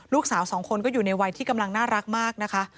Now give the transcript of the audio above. ลูกสาวสองคนก็อยู่ในวัยที่กำลังน่ารักมากนะคะ